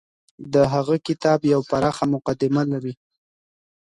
د هغه کتاب يوه پراخه مقدمه لري.